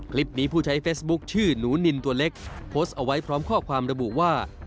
ผู้ใช้เฟซบุ๊คชื่อหนูนินตัวเล็กโพสต์เอาไว้พร้อมข้อความระบุว่า